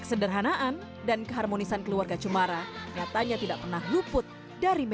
emangnya benar keluarga kamu teh jatuh miskin